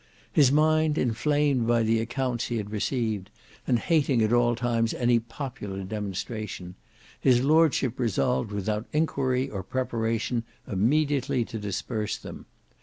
His mind inflamed by the accounts he had received, and hating at all times any popular demonstration, his lordship resolved without inquiry or preparation immediately to disperse them.